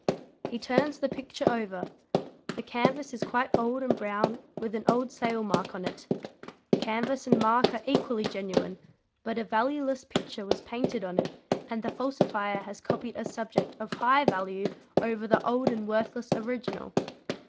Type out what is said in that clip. He turns the picture over: the canvas is quite old and brown with an old sale mark on it; canvas and mark are equally genuine, but a valueless picture was painted on it and the falsifer has copied a subject of high value over the old and worthless original.